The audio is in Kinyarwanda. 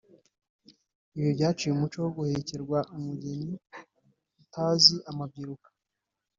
Ibi byaciye umuco wo guhekerwa umugeni utazi amabyiruka